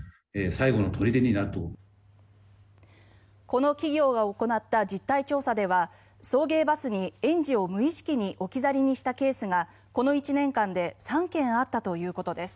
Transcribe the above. この企業が行った実態調査では送迎バスに園児を無意識に置き去りにしたケースがこの１年間で３件あったということです。